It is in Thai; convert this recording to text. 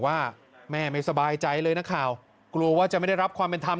ว่าแม่ไม่สบายใจเลยนักข่าวกลัวว่าจะไม่ได้รับความเป็นธรรม